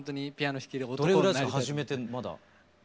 始めてまだ。